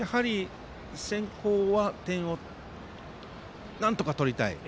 先攻は点をなんとか取りたい。